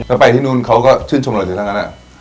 แล้วไปที่นู่นเขาก็ชื่นชมโรยเศรษฐ์ทั้งกันนะ